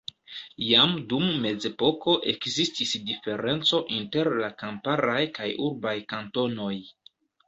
Jam dum Mezepoko ekzistis diferenco inter la kamparaj kaj urbaj kantonoj.